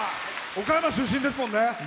岡山出身ですもんね。